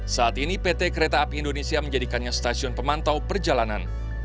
saat ini pt kereta api indonesia menjadikannya stasiun pemantau perjalanan